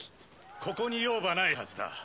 ここに用ヴぁないはずだ